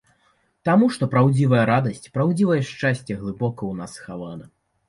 Таму што праўдзівая радасць, праўдзівае шчасце глыбока ў нас схавана.